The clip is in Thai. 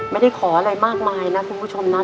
ไม่ได้ขออะไรมากมายนะคุณผู้ชมนะ